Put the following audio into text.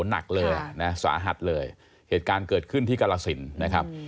หนักเลยนะสาหัสเลยเหตุการณ์เกิดขึ้นที่กรสินนะครับ